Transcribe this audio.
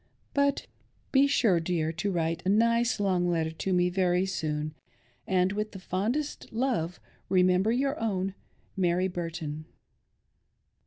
Be sure, dear, to write a nice long letter to me very soon; and with fondest love remember your own Mary Burton."